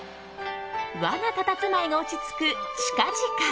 和なたたずまいが落ち着く、近近。